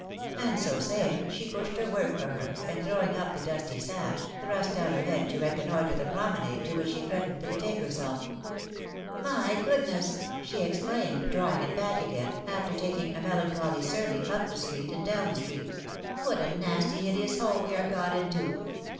And so saying, she pushed her work from her, and throwing up the dusty sash, thrust out her head to reconnoitre the promenade to which she threatened to betake herself. " My 'goodness !" she exclaimed, drawing it back again, after taking a melancholy survey up the street and down the street ;" what a nasty hideous hole we are got into !